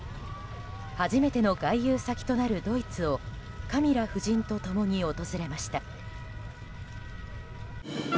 初めての外遊先となるドイツをカミラ夫人と共に訪れました。